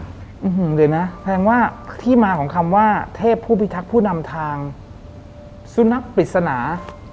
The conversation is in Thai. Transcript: เดี๋ยวนะแสดงว่าที่มาของคำว่าเทพผู้พิทักษ์ผู้นำทางสุนัขปริศนา